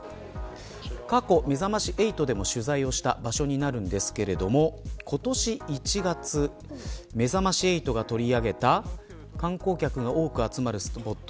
過去、めざまし８でも取材をした場所になりますが今年１月めざまし８が取り上げた観光客が多く集まるスポット